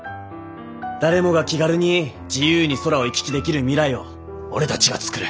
誰もが気軽に自由に空を行き来できる未来を俺たちが作る。